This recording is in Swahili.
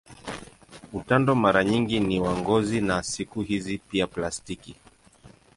Utando mara nyingi ni wa ngozi na siku hizi pia plastiki.